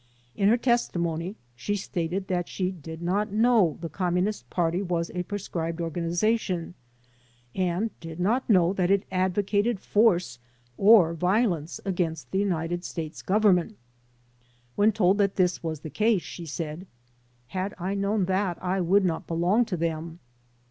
In her testimony she stated that she did not know that the Communist Party was a proscribed organization and did not know that it advocated force or violence against the United States Government. When told that this was the case she said : "Had I known that, I would not belong to them."